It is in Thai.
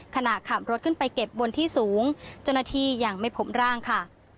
ขณะขับรถขึ้นไปเก็บบนที่สูงเจ้าหน้าที่ยังไม่พบร่างค่ะ